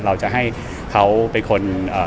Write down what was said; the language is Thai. เราจะให้เขาเป็นคน